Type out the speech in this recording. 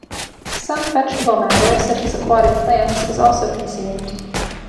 Some vegetable matter such as aquatic plants is also consumed.